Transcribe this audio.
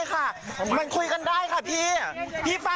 ก็แค่มีเรื่องเดียวให้มันพอแค่นี้เถอะ